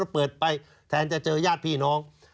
เปิดไปแทนจะเจอญาติพี่น้อง